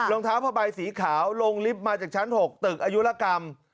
รองเท้าผ้าใบสีขาวลงลิฟต์มาจากชั้น๖ตึกอายุรกรรม